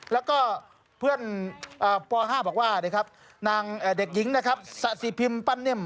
แล้วก็เพื่อนป๕บอกว่านะครับนางเด็กหญิงนะครับสะสีพิมพ์ปั้นเน่ม